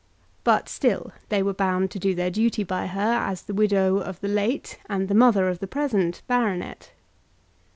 But still they were bound to do their duty by her as the widow of the late and the mother of the present baronet.